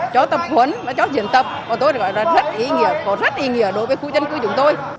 cho tập huấn và cho diễn tập của tôi là rất ý nghĩa có rất ý nghĩa đối với khu dân cư chúng tôi